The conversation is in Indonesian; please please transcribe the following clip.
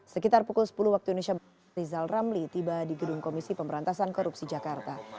sekitar pukul sepuluh waktu indonesia rizal ramli tiba di gedung komisi pemberantasan korupsi jakarta